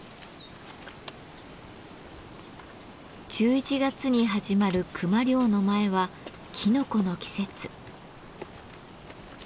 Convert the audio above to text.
１１月に始まる熊猟の前はきのこの季節。